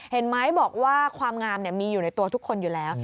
เห็นไหมบอกว่าความงามมีอยู่ในตัวทุกคนอยู่แล้ว